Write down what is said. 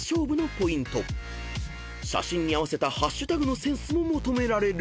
［写真に合わせたハッシュタグのセンスも求められる］